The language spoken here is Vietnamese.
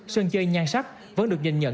sơn chơi nhan sắc vẫn được nhìn nhận